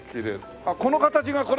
あっこの形がこれ？